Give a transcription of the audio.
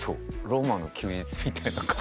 「ローマの休日」みたいな感じで。